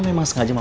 sudah sangat petak